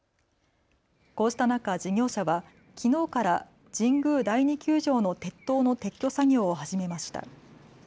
こうした中、事業者はきのうから神宮第二球場の鉄塔の撤去作業を始めました。